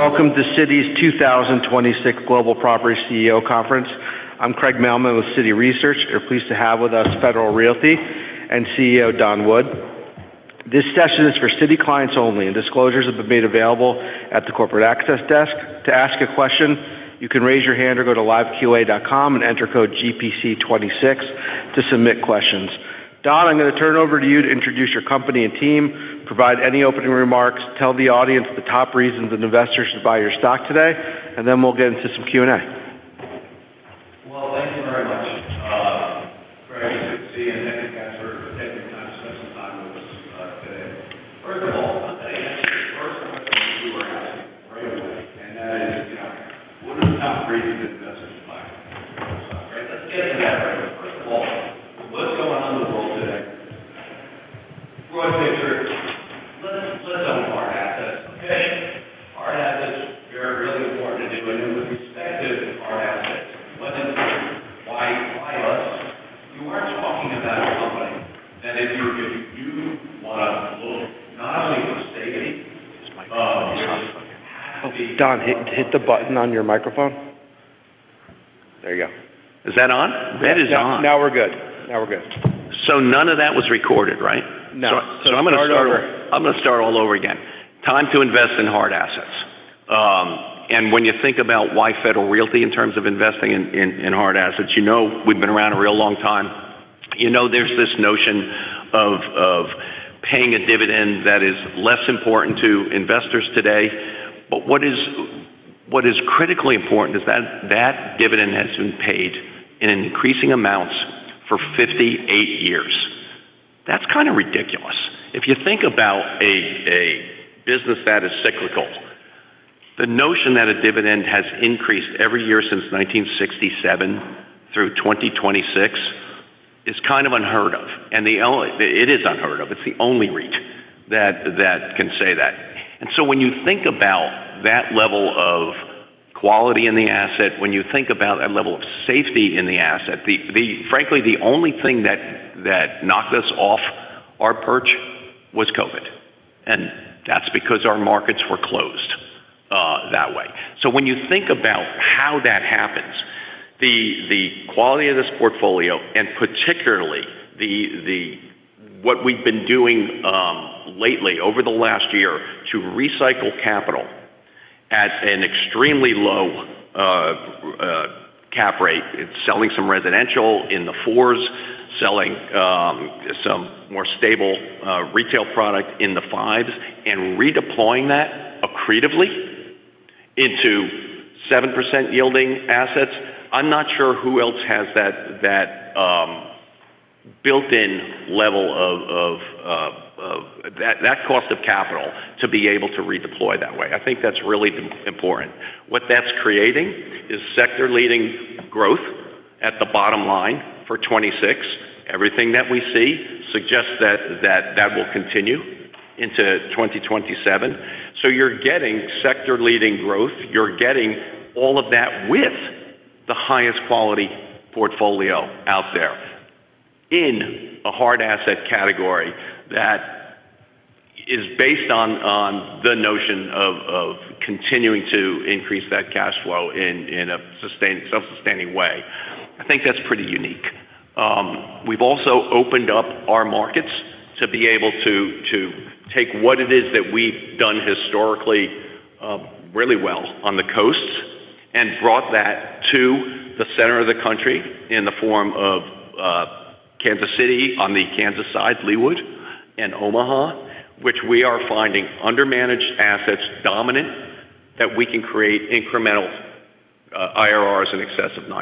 Welcome to Citi's 2026 Global Property CEO Conference. I'm Craig Mailman with Citi Research. We're pleased to have with us Federal Realty and CEO Don Wood. This session is for Citi clients only. Disclosures have been made available at the corporate access desk. To ask a question, you can raise your hand or go to liveqa.com and enter code GPC 26 to submit questions. company that if you want to look not only for safety, you have to be. Don, hit the button on your microphone. There you go. Is that on? That is on. Now we're good. None of that was recorded, right? No. I'm gonna start over. I'm gonna start all over again. Time to invest in hard assets. When you think about why Federal Realty in terms of investing in hard assets, you know we've been around a real long time. You know, there's this notion of paying a dividend that is less important to investors today. What is critically important is that that dividend has been paid in increasing amounts for 58 years. That's kind of ridiculous. If you think about a business that is cyclical, the notion that a dividend has increased every year since 1967 through 2026 is kind of unheard of. It is unheard of. It's the only REIT that can say that. When you think about that level of quality in the asset, when you think about that level of safety in the asset, Frankly, the only thing that knocked us off our perch was COVID, and that's because our markets were closed that way. When you think about how that happens, the quality of this portfolio, and particularly what we've been doing lately over the last year to recycle capital at an extremely low cap rate. It's selling some residential in the 4%, selling some more stable retail product in the 5%, and redeploying that accretively into 7% yielding assets. I'm not sure who else has that built-in level of that cost of capital to be able to redeploy that way. I think that's really important. What that's creating is sector-leading growth at the bottom line for 2026. Everything that we see suggests that will continue into 2027. You're getting sector-leading growth. You're getting all of that with the highest quality portfolio out there in a hard asset category that is based on the notion of continuing to increase that cash flow in a sustained self-sustaining way. I think that's pretty unique. We've also opened up our markets to be able to take what it is that we've done historically really well on the coasts and brought that to the center of the country in the form of Kansas City on the Kansas side, Leawood and Omaha, which we are finding undermanaged assets dominant, that we can create incremental IRRs in excess of 9%.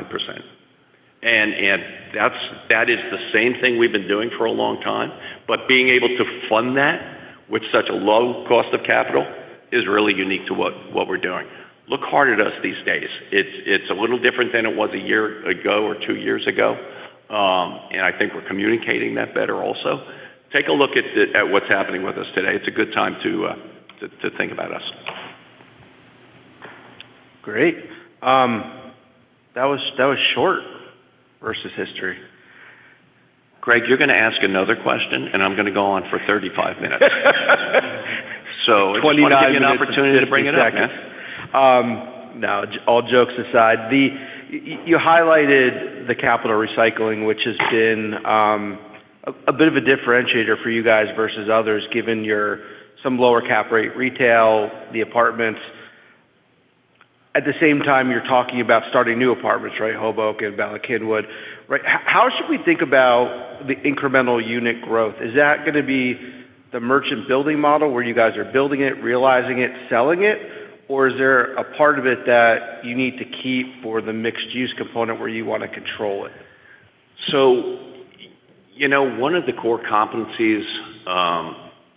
That is the same thing we've been doing for a long time, but being able to fund that with such a low cost of capital is really unique to what we're doing. Look hard at us these days. It's a little different than it was a year ago or two years ago, and I think we're communicating that better also. Take a look at what's happening with us today. It's a good time to think about us. Great. That was short versus history. Craig, you're gonna ask another question, and I'm gonna go on for 35 minutes. If you want to give me an opportunity to bring it up. No, all jokes aside, the... you highlighted the capital recycling, which has been a bit of a differentiator for you guys versus others, given your some lower cap rate retail, the apartments. At the same time, you're talking about starting new apartments, right? Hoboken, Bala Cynwyd. How should we think about the incremental unit growth? Is that gonna be the merchant building model where you guys are building it, realizing it, selling it? Is there a part of it that you need to keep for the mixed use component where you wanna control it? You know, one of the core competencies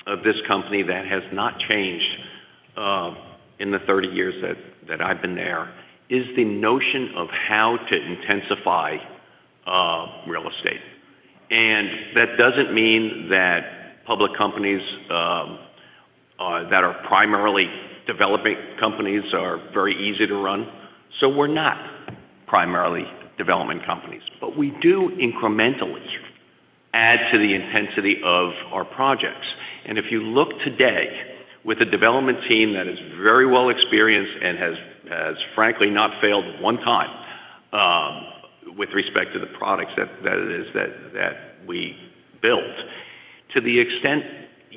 of this company that has not changed in the 30 years that I've been there is the notion of how to intensify real estate. That doesn't mean that public companies that are primarily development companies are very easy to run. We're not primarily development companies. We do incrementally add to the intensity of our projects. If you look today with a development team that is very well experienced and has, frankly, not failed one time with respect to the products that we built, to the extent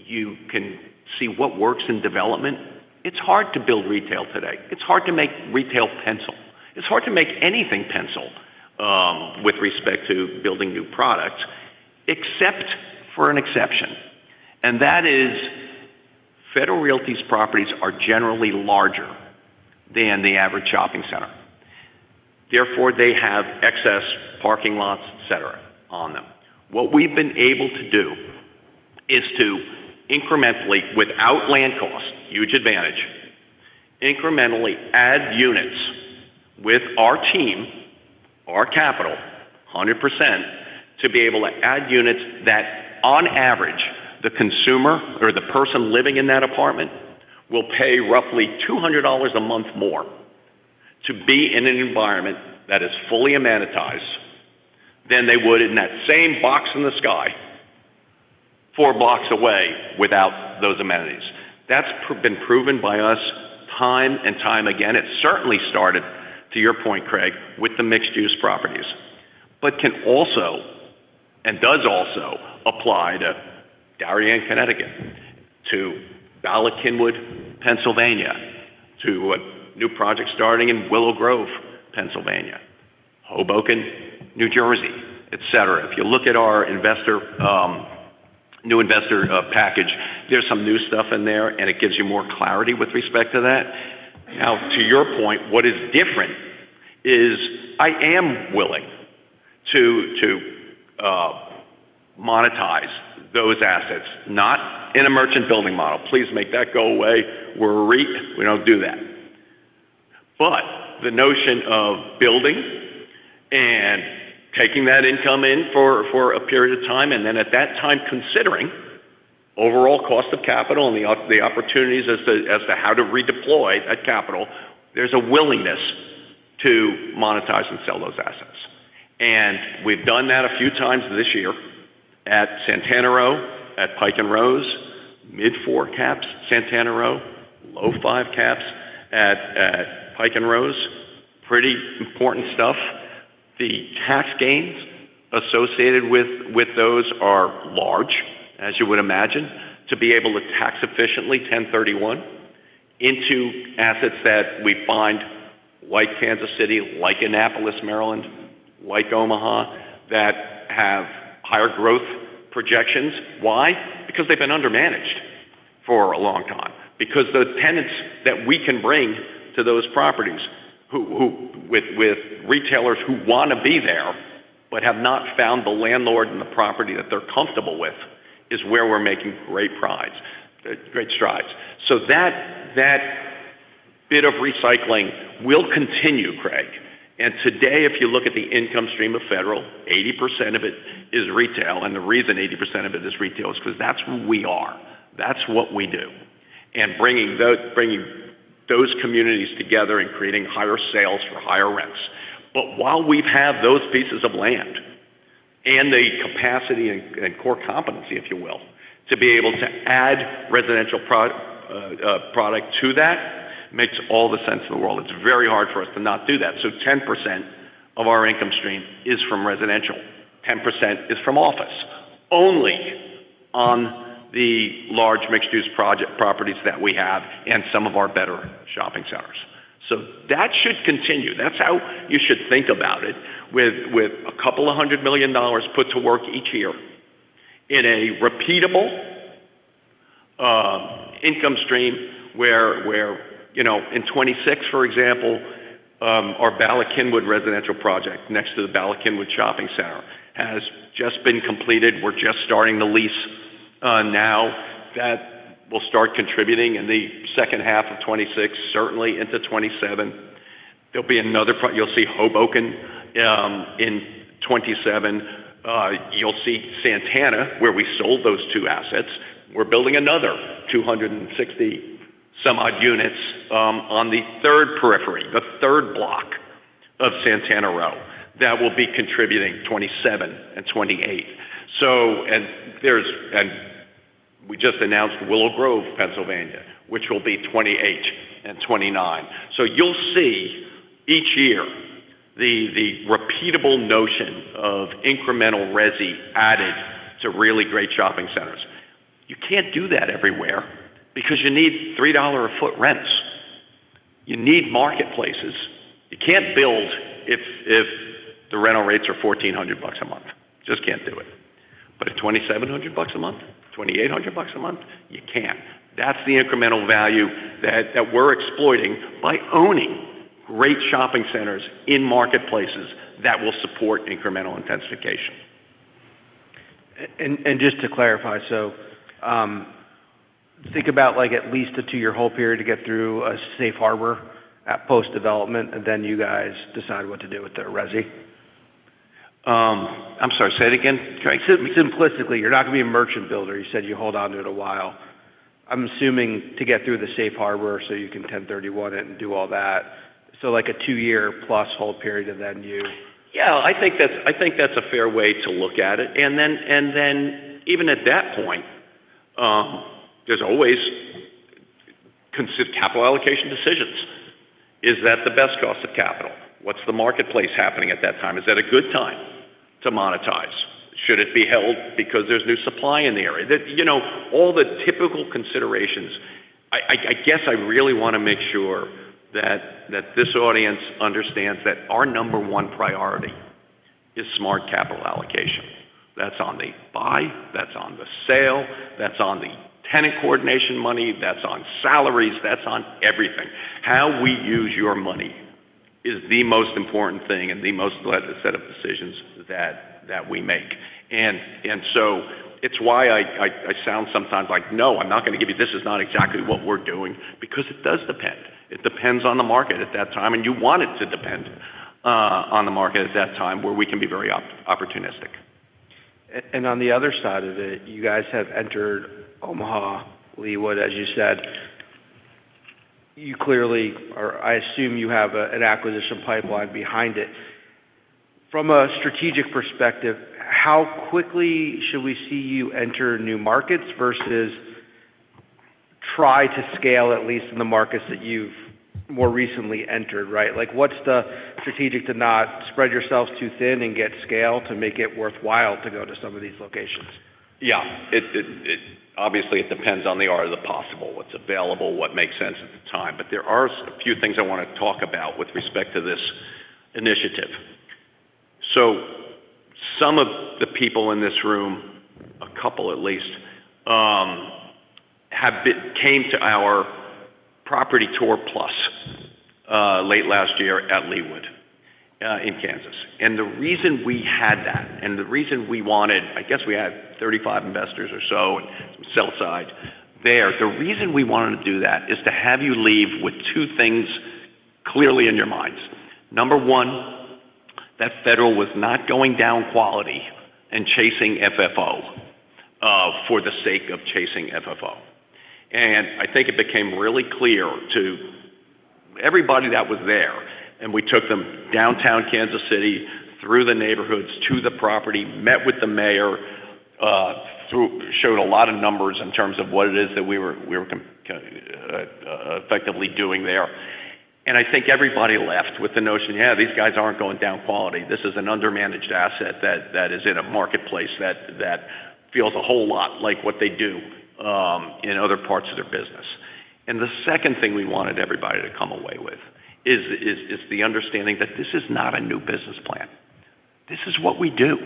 you can see what works in development, it's hard to build retail today. It's hard to make retail pencil. It's hard to make anything pencil with respect to building new products, except for an exception. That is Federal Realty's properties are generally larger than the average shopping center. Therefore, they have excess parking lots, et cetera, on them. What we've been able to do is to incrementally, without land costs, huge advantage, incrementally add units with our team, our capital, 100%, to be able to add units that on average, the consumer or the person living in that apartment will pay roughly $200 a month more to be in an environment that is fully amenitized than they would in that same box in the sky four blocks away without those amenities. That's been proven by us time and time again. It certainly started, to your point, Craig, with the mixed-use properties, but can also and does also apply to Darien, Connecticut, to Bala Cynwyd, Pennsylvania, to a new project starting in Willow Grove, Pennsylvania, Hoboken, New Jersey, et cetera. If you look at our investor, new investor package, there's some new stuff in there, and it gives you more clarity with respect to that. To your point, what is different is I am willing to monetize those assets, not in a merchant building model. Please make that go away. We're a REIT. We don't do that. The notion of building and taking that income in for a period of time, and then at that time considering overall cost of capital and the opportunities as to how to redeploy that capital, there's a willingness to monetize and sell those assets. We've done that a few times this year at Santana Row, at Pike & Rose, mid four caps, Santana Row, low five caps at Pike & Rose. Pretty important stuff. The tax gains associated with those are large, as you would imagine, to be able to tax efficiently 1031 exchange into assets that we find like Kansas City, like Annapolis, Maryland, like Omaha, that have higher growth projections. Why? Because they've been undermanaged for a long time. Because the tenants that we can bring to those properties with retailers who wanna be there, but have not found the landlord and the property that they're comfortable with is where we're making great strides. That bit of recycling will continue, Craig. Today, if you look at the income stream of Federal, 80% of it is retail. The reason 80% of it is retail is because that's who we are. That's what we do. Bringing those communities together and creating higher sales for higher rents. While we've had those pieces of land and the capacity and core competency, if you will, to be able to add residential product to that makes all the sense in the world. It's very hard for us to not do that. 10% of our income stream is from residential. 10% is from office, only on the large mixed-use project properties that we have and some of our better shopping centers. That should continue. That's how you should think about it with $200 million put to work each year in a repeatable income stream where, you know, in 2026, for example, our Bala Cynwyd residential project next to the Bala Cynwyd Shopping Center has just been completed. We're just starting the lease now. That will start contributing in the second half of 2026, certainly into 2027. There'll be another you'll see Hoboken in 2027. You'll see Santana, where we sold those two assets. We're building another 260 some odd units on the third periphery, the third block of Santana Row. That will be contributing 2027 and 2028. We just announced Willow Grove, Pennsylvania, which will be 2028 and 2029. You'll see each year the repeatable notion of incremental resi added to really great shopping centers. You can't do that everywhere because you need $3 a foot rents. You need marketplaces. You can't build if the rental rates are $1,400 a month. Just can't do it. At $2,700 a month, $2,800 a month, you can. That's the incremental value that we're exploiting by owning great shopping centers in marketplaces that will support incremental intensification. Just to clarify. Think about like at least a two-year hold period to get through a safe harbor at post-development, and then you guys decide what to do with the resi. I'm sorry, say it again, Craig? Simplistically, you're not gonna be a merchant builder. You said you hold onto it a while. I'm assuming to get through the safe harbor so you can 1031 exchange it and do all that. Like a two-year-plus hold period. Yeah, I think that's, I think that's a fair way to look at it. Even at that point, there's always capital allocation decisions. Is that the best cost of capital? What's the marketplace happening at that time? Is that a good time to monetize? Should it be held because there's new supply in the area? That, you know, all the typical considerations. I guess I really wanna make sure that this audience understands that our number one priority is smart capital allocation. That's on the buy, that's on the sale, that's on the tenant coordination money, that's on salaries, that's on everything. How we use your money is the most important thing and the most led set of decisions that we make. So it's why I sound sometimes like, "No, I'm not gonna give you... This is not exactly what we're doing, because it does depend. It depends on the market at that time, and you want it to depend on the market at that time, where we can be very opportunistic. On the other side of it, you guys have entered Omaha, Leawood, as you said. You clearly are. I assume you have an acquisition pipeline behind it. From a strategic perspective, how quickly should we see you enter new markets versus try to scale at least in the markets that you've more recently entered, right? Like, what's the strategic to not spread yourselves too thin and get scale to make it worthwhile to go to some of these locations? Yeah. It obviously, it depends on the art of the possible, what's available, what makes sense at the time. There are a few things I wanna talk about with respect to this initiative. Some of the people in this room, a couple at least, came to our property tour plus late last year at Leawood in Kansas. The reason we had that, and the reason we wanted I guess we had 35 investors or so and some sell side there. The reason we wanted to do that is to have you leave with two things clearly in your minds. Number one, that Federal was not going down quality and chasing FFO for the sake of chasing FFO. I think it became really clear to everybody that was there, and we took them downtown Kansas City through the neighborhoods to the property, met with the mayor, showed a lot of numbers in terms of what it is that we were effectively doing there. I think everybody left with the notion, "Yeah, these guys aren't going down quality. This is an undermanaged asset that is in a marketplace that feels a whole lot like what they do in other parts of their business." The second thing we wanted everybody to come away with is the understanding that this is not a new business plan. This is what we do.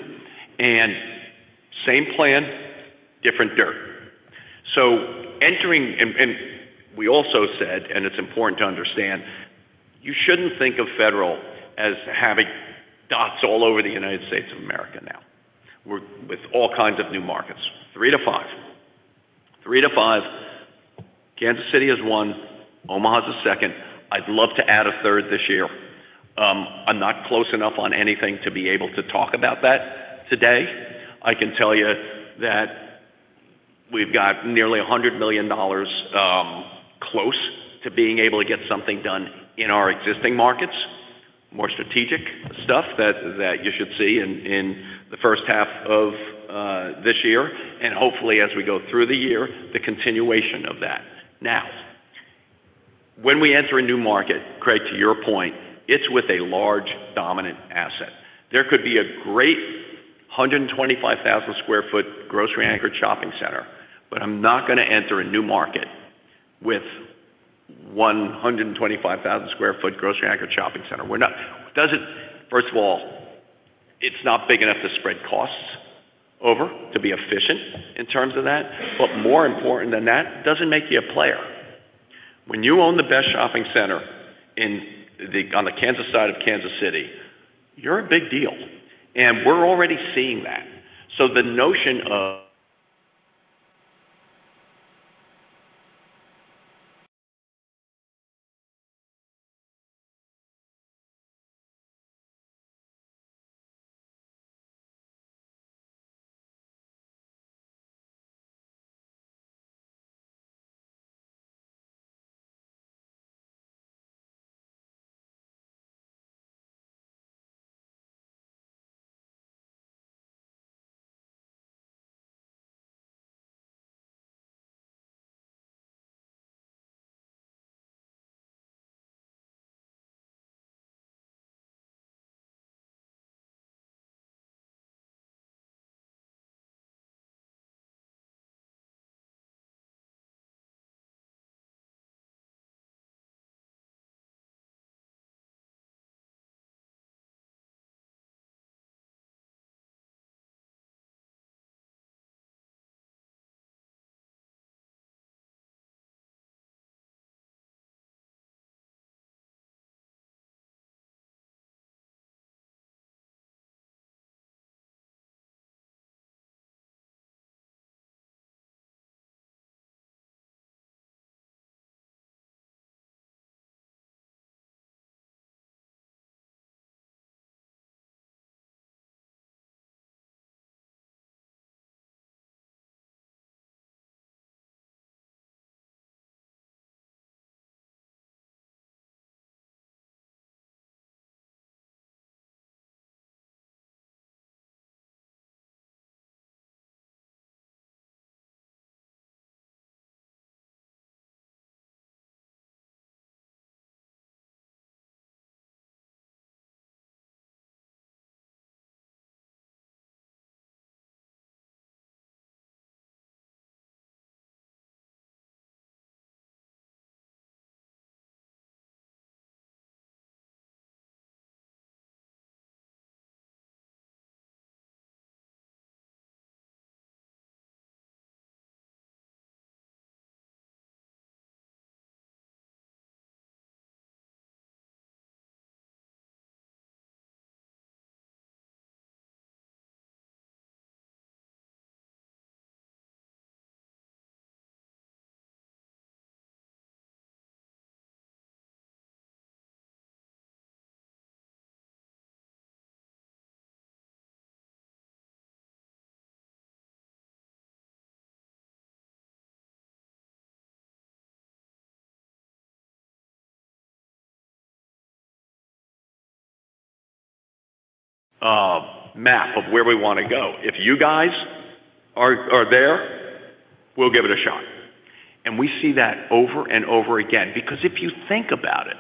Same plan, different dirt. Entering... we also said, and it's important to understand, you shouldn't think of Federal as having dots all over the United States of America now. With all kinds of new markets. three-five. three-five. Kansas City is one. Omaha's the second. I'd love to add a third this year. I'm not close enough on anything to be able to talk about that today. I can tell you that we've got nearly $100 million close to being able to get something done in our existing markets, more strategic stuff that you should see in the first half of this year, and hopefully as we go through the year, the continuation of that. When we enter a new market, Craig, to your point, it's with a large dominant asset. There could be a great 125,000 sq ft grocery anchored shopping center, but I'm not gonna enter a new market with 125,000 sq ft grocery anchored shopping center. It doesn't. First of all, it's not big enough to spread costs over to be efficient in terms of that. More important than that, it doesn't make you a player. When you own the best shopping center on the Kansas side of Kansas City, you're a big deal, and we're already seeing that. The notion of a map of where we want to go. If you guys are there, we'll give it a shot. We see that over and over again. If you think about it,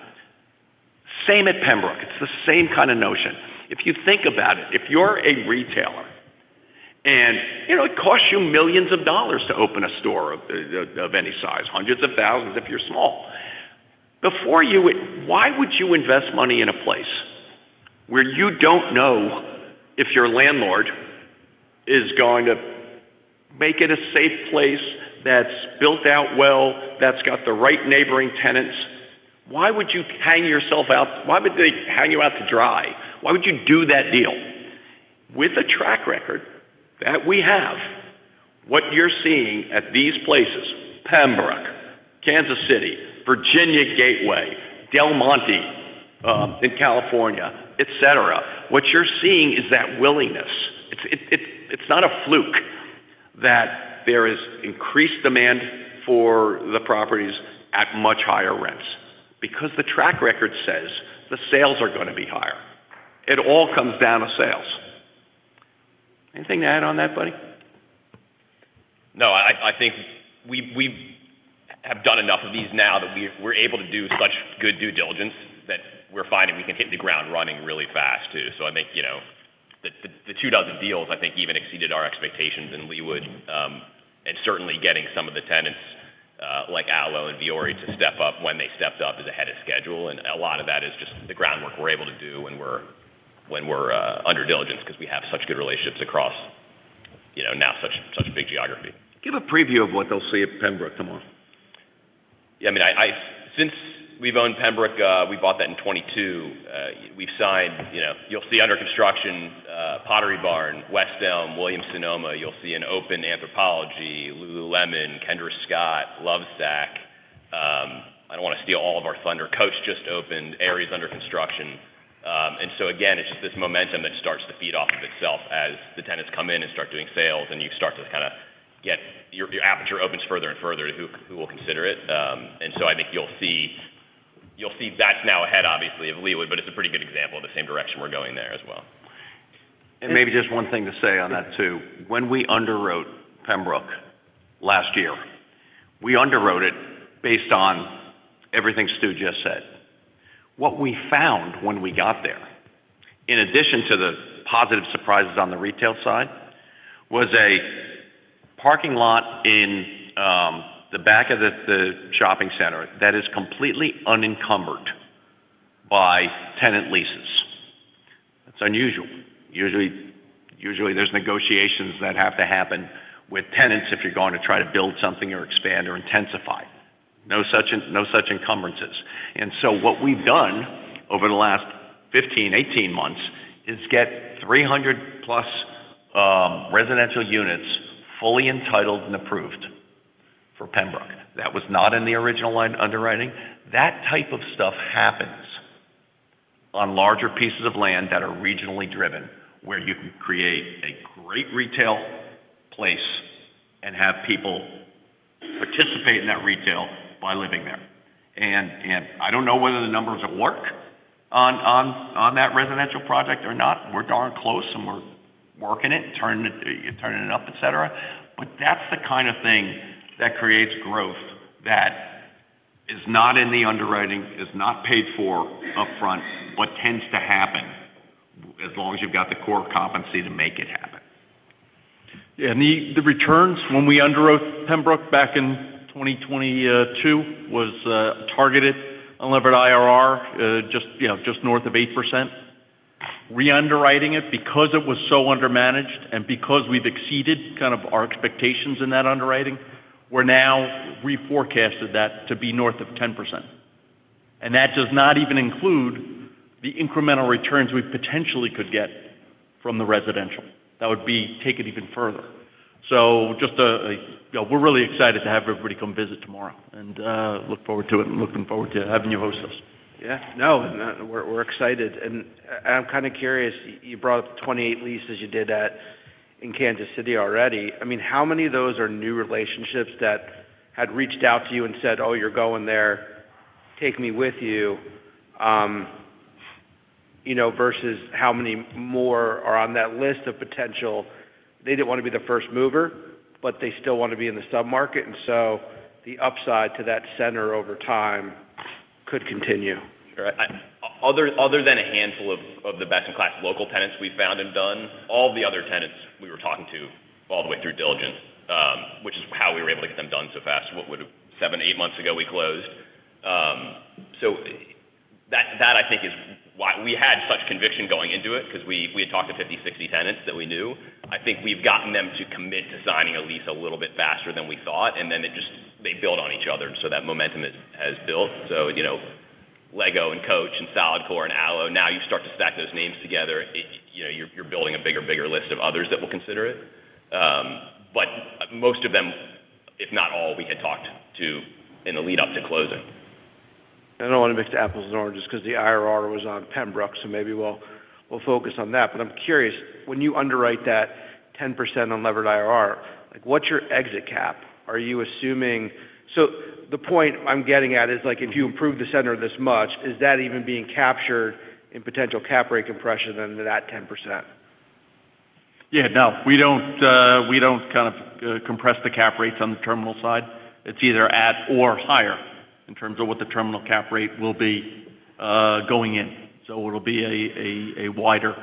same at Pembroke, it's the same kind of notion. If you think about it, if you're a retailer, and it costs you millions of dollars to open a store of any size, hundreds of thousands if you're small. Before you would, why would you invest money in a place where you don't know if your landlord is going to make it a safe place that's built out well, that's got the right neighboring tenants? Why would you hang yourself out? Why would they hang you out to dry? Why would you do that deal? With a track record that we have, what you're seeing at these places, Pembroke, Kansas City, Virginia Gateway, Del Monte in California, et cetera, what you're seeing is that willingness. It's not a fluke that there is increased demand for the properties at much higher rents because the track record says the sales are going to be higher. It all comes down to sales. Anything to add on that, buddy? I think we have done enough of these now that we're able to do such good due diligence that we're finding we can hit the ground running really fast too. I think, you know, the 24 deals, I think even exceeded our expectations in Leawood and certainly getting some of the tenants like Alo and Vuori to step up when they stepped up is ahead of schedule. A lot of that is just the groundwork we're able to do when we're under diligence because we have such good relationships across, you know, now such a big geography. Give a preview of what they'll see at Pembroke tomorrow. Yeah, I mean, since we've owned Pembroke, we bought that in 2022, we've signed, you know, you'll see under construction Pottery Barn, West Elm, Williams Sonoma, you'll see an open Anthropologie, Lululemon, Kendra Scott, Lovesac. I don't want to steal all of our thunder. Coach just opened, Aerie under construction. Again, it's just this momentum that starts to feed off of itself as the tenants come in and start doing sales and you start to kind of get your aperture opens further and further to who will consider it. I think you'll see that's now ahead, obviously, of Leawood, but it's a pretty good example of the same direction we're going there as well. Maybe just one thing to say on that too. When we underwrote Pembroke last year, we underwrote it based on everything Stu just said. What we found when we got there, in addition to the positive surprises on the retail side, was a parking lot in the back of the shopping center that is completely unencumbered by tenant leases. That's unusual. Usually there's negotiations that have to happen with tenants if you're going to try to build something or expand or intensify. No such encumbrances. So what we've done over the last 15, 18 months is get 300 plus residential units fully entitled and approved for Pembroke. That was not in the original underwriting. That type of stuff happens on larger pieces of land that are regionally driven, where you can create a great retail place and have people participate in that retail by living there. I don't know whether the numbers will work on that residential project or not. We're darn close and we're working it, turning it up, et cetera. That's the kind of thing that creates growth that is not in the underwriting, is not paid for upfront, but tends to happen as long as you've got the core competency to make it happen. The returns when we underwrote Pembroke back in 2022 was targeted unlevered IRR just north of 8%. Re-underwriting it because it was so under-managed and because we've exceeded kind of our expectations in that underwriting, we're now re-forecasted that to be north of 10%. That does not even include the incremental returns we potentially could get from the residential. That would be take it even further. Just, you know, we're really excited to have everybody come visit tomorrow and look forward to it and looking forward to having you host us. Yeah. No, we're excited. I'm kind of curious, you brought up the 28 leases you did in Kansas City already. I mean, how many of those are new relationships that had reached out to you and said, "Oh, you're going there, take me with you," you know, versus how many more are on that list of potential they didn't wanna be the first mover, but they still wanna be in the sub-market, and so the upside to that center over time could continue. Sure. Other than a handful of the best-in-class local tenants we found and done, all the other tenants we were talking to all the way through diligence, which is how we were able to get them done so fast. seven, eight months ago we closed. That I think is why we had such conviction going into it because we had talked to 50, 60 tenants that we knew. I think we've gotten them to commit to signing a lease a little bit faster than we thought, and then it just they build on each other, so that momentum has built. You know, Lego and Coach and [solidcore] and Alo, now you start to stack those names together, it, you know, you're building a bigger list of others that will consider it. Most of them, if not all, we had talked to in the lead-up to closing. I don't wanna mix the apples and oranges because the IRR was on Pembroke, so maybe we'll focus on that. I'm curious, when you underwrite that 10% unlevered IRR, like, what's your exit cap? Are you assuming? The point I'm getting at is, like, if you improve the center this much, is that even being captured in potential cap rate compression under that 10%? Yeah. No. We don't kind of compress the cap rates on the terminal side. It's either at or higher in terms of what the terminal cap rate will be going in. It'll be a wider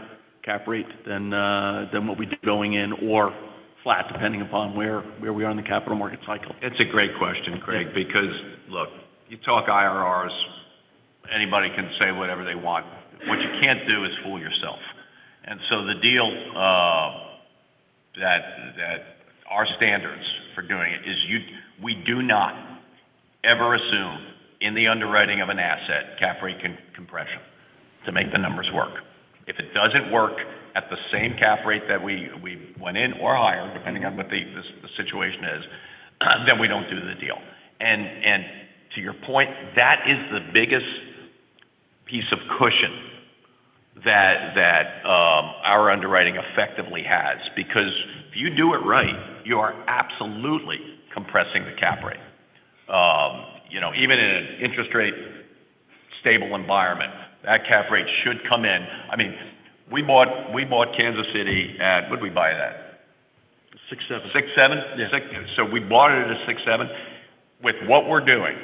cap rate than what we did going in or flat, depending upon where we are in the capital market cycle. It's a great question, Craig, because look, you talk IRRs, anybody can say whatever they want. What you can't do is fool yourself. The deal that our standards for doing it is we do not ever assume in the underwriting of an asset cap rate compression to make the numbers work. If it doesn't work at the same cap rate that we went in or higher, depending on what the situation is, then we don't do the deal. To your point, that is the biggest piece of cushion that our underwriting effectively has. If you do it right, you are absolutely compressing the cap rate. You know, even in an interest rate stable environment, that cap rate should come in. I mean, we bought Kansas City at, What did we buy that? Six seven. six seven? Yeah. We bought it at a six seven. With what we're doing,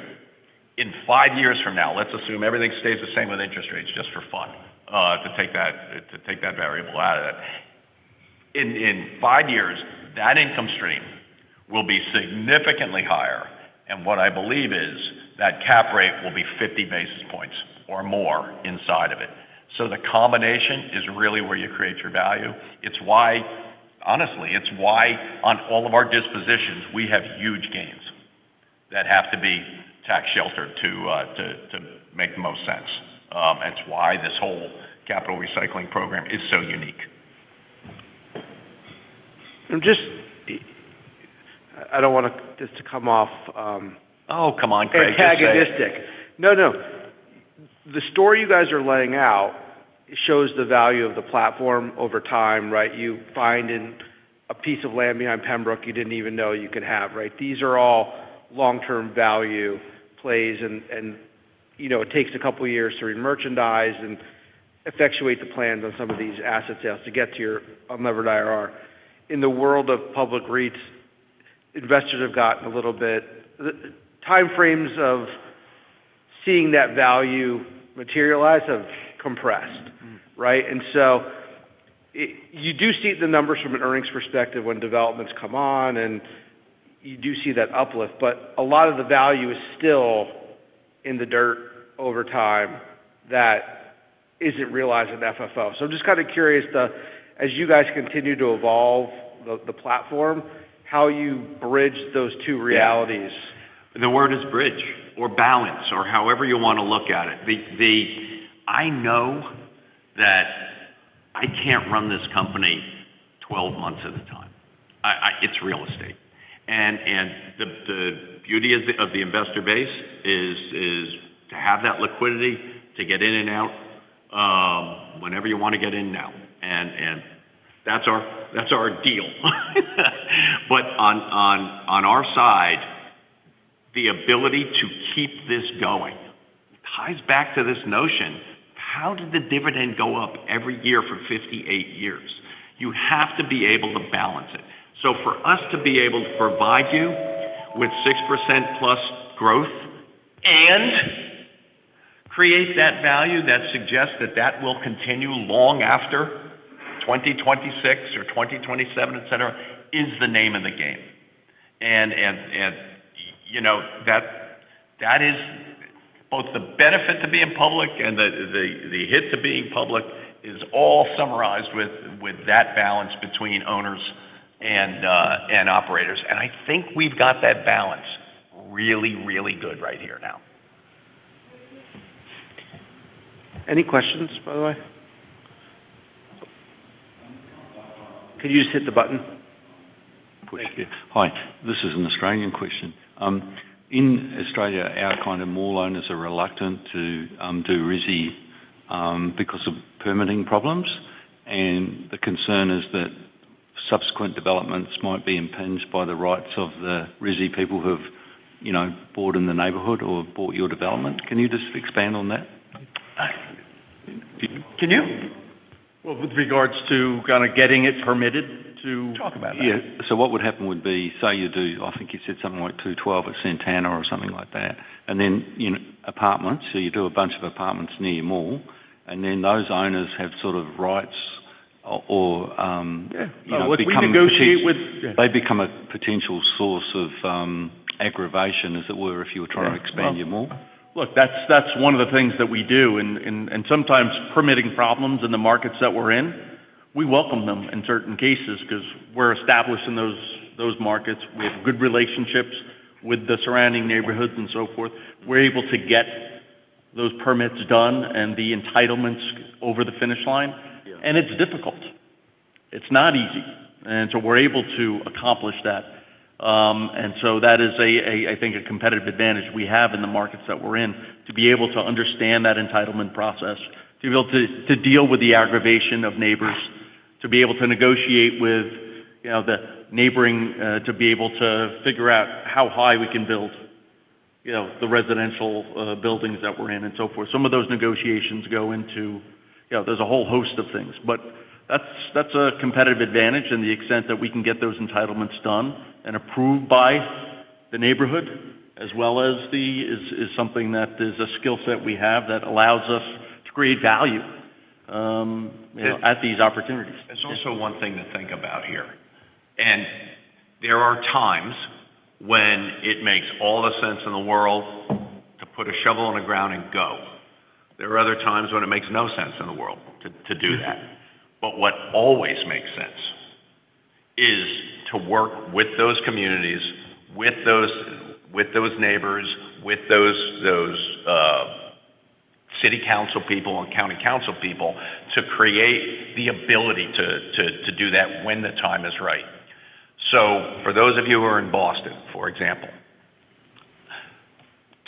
in five years from now, let's assume everything stays the same with interest rates just for fun, to take that variable out of it. In five years, that income stream will be significantly higher, and what I believe is that cap rate will be 50 basis points or more inside of it. The combination is really where you create your value. Honestly, it's why on all of our dispositions, we have huge gains that have to be tax-sheltered to make the most sense. It's why this whole capital recycling program is so unique. Just I don't want this to come off. Oh, come on, Craig. Just say it.... antagonistic. No, no. The story you guys are laying out shows the value of the platform over time, right? You find a piece of land behind Pembroke you didn't even know you could have, right? These are all long-term value plays and, you know, it takes a couple of years to remerchandise and effectuate the plans on some of these asset sales to get to your unlevered IRR. In the world of public REITs, investors have gotten a little bit. The time frames of seeing that value materialize have compressed. Mm-hmm. Right? You do see the numbers from an earnings perspective when developments come on, and you do see that uplift. A lot of the value is still in the dirt over time that isn't realized in FFO. I'm just kind of curious to, as you guys continue to evolve the platform, how you bridge those two realities. Yeah. The word is bridge or balance or however you wanna look at it. The... I know that I can't run this company 12 months at a time. I... It's real estate. The beauty of the investor base is to have that liquidity to get in and out whenever you wanna get in now. That's our deal. On our side, the ability to keep this going ties back to this notion, how did the dividend go up every year for 58 years? You have to be able to balance it. For us to be able to provide you with 6% plus growth and create that value that suggests that that will continue long after 2026 or 2027, et cetera, is the name of the game. You know, that is both the benefit to being public and the hit to being public is all summarized with that balance between owners and operators. I think we've got that balance really good right here now. Any questions, by the way? Could you just hit the button? Thank you. Hi, this is an Australian question. In Australia, our kind of mall owners are reluctant to do rezoning because of permitting problems. The concern is that subsequent developments might be impinged by the rights of the rezoning people who have, you know, bought in the neighborhood or bought your development. Can you just expand on that? Can you? Well, with regards to getting it permitted. Talk about that. Yeah. What would happen would be, say you do, I think you said something like 212 at Santana or something like that. In apartments, so you do a bunch of apartments near your mall, and then those owners have sort of rights or. Yeah. You know, become a potential-. We negotiate with... They become a potential source of aggravation, as it were, if you were trying to expand your mall. Look, that's one of the things that we do and sometimes permitting problems in the markets that we're in, we welcome them in certain cases because we're established in those markets. We have good relationships with the surrounding neighborhoods and so forth. We're able to get those permits done and the entitlements over the finish line. Yeah. It's difficult. It's not easy. We're able to accomplish that. That is a, I think, a competitive advantage we have in the markets that we're in to be able to understand that entitlement process, to be able to deal with the aggravation of neighbors, to be able to negotiate with, you know, the neighboring, to be able to figure out how high we can build, you know, the residential buildings that we're in and so forth. Some of those negotiations go into. You know, there's a whole host of things. That's a competitive advantage in the extent that we can get those entitlements done and approved by the neighborhood as well as the is something that is a skill set we have that allows us to create value, you know, at these opportunities. There's also one thing to think about here. There are times when it makes all the sense in the world to put a shovel on the ground and go. There are other times when it makes no sense in the world to do that. What always makes sense is to work with those communities, with those neighbors, with those city council people and county council people to create the ability to do that when the time is right. For those of you who are in Boston, for example,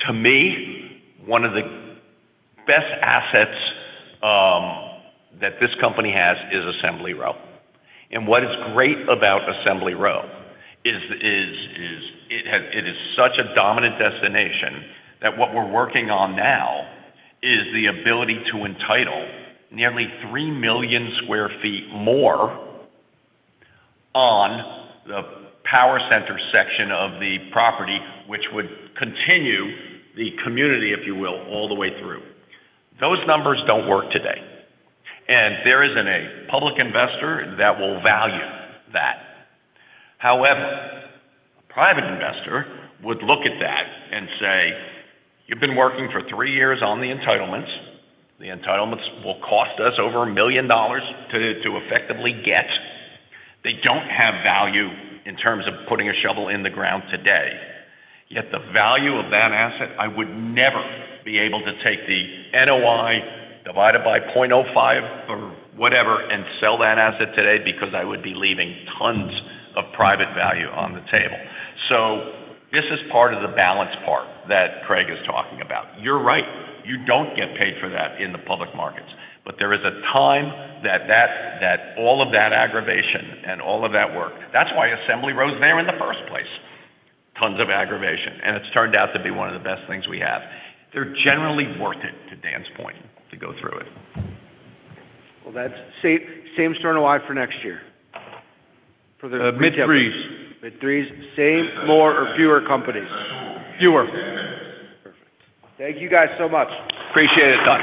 to me, one of the best assets that this company has is Assembly Row. What is great about Assembly Row is, it is such a dominant destination that what we're working on now is the ability to entitle nearly three million sq ft more on the power center section of the property, which would continue the community, if you will, all the way through. Those numbers don't work today, and there isn't a public investor that will value that. However, private investor would look at that and say, "You've been working for three years on the entitlements. The entitlements will cost us over $1 million to effectively get." They don't have value in terms of putting a shovel in the ground today. Yet the value of that asset, I would never be able to take the NOI divided by 0.05 or whatever and sell that asset today because I would be leaving tons of private value on the table. This is part of the balance part that Craig is talking about. You're right, you don't get paid for that in the public markets. There is a time that all of that aggravation and all of that work, that's why Assembly Row is there in the first place. Tons of aggravation, and it's turned out to be one of the best things we have. They're generally worth it, to Don point, to go through it. That's same store NOI for next year. For the- Mid threes. Mid threes. Same, more or fewer companies? Fewer. Perfect. Thank you guys so much. Appreciate it, Don.